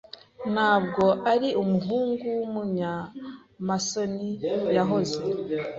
Ntabwo ari umuhungu wumunyamasoni yahoze.